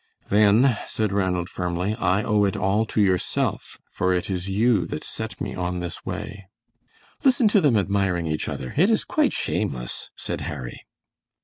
"Then," said Ranald, firmly, "I owe it all to yourself, for it is you that set me on this way." "Listen to them admiring each other! It is quite shameless," said Harry.